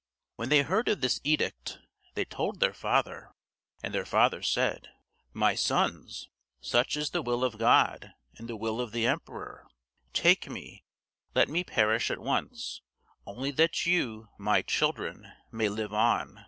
When they heard of this edict, they told their father; and their father said: "My sons, such is the will of God and the will of the emperor; take me, let me perish at once, only that you, my children, may live on.